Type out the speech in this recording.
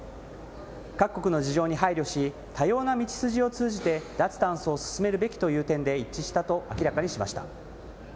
各国の事情に配慮し、多様な道筋を通じて脱炭素を進めるべきという点で一致したと明らかにしました。